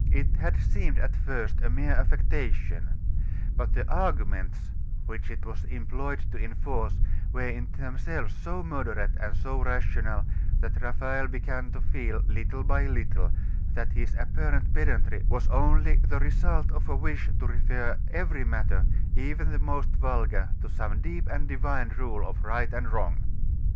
It had seemed at first a mere affectation; but the arguments which it was employed to enforce were in themselves so moderate and so rational that Raphael began to feel, little by little, that his apparent pedantry was only the result of a wish to refer every matter, even the most vulgar, to some deep and divine rule of right and wrong.